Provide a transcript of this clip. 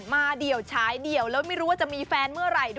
เดี่ยวฉายเดี่ยวแล้วไม่รู้ว่าจะมีแฟนเมื่อไหร่